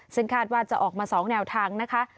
ซึ่งคาดว่าจะออกมา๒แนวทางนะคะ